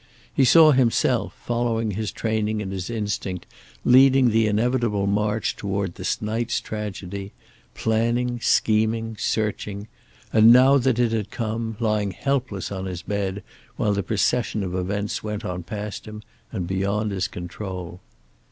He saw himself, following his training and his instinct, leading the inevitable march toward this night's tragedy, planning, scheming, searching, and now that it had come, lying helpless on his bed while the procession of events went on past him and beyond his control.